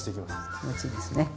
気持ちいいですね。